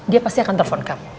dia pasti akan telepon kamu